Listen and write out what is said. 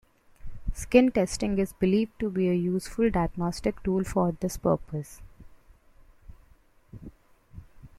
Skin testing is believed to be a useful diagnostic tool for this purpose.